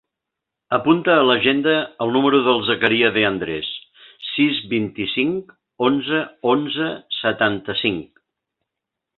Apunta a l'agenda el número del Zakaria De Andres: sis, vint-i-cinc, onze, onze, setanta-cinc.